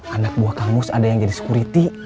anak buah kamus ada yang jadi security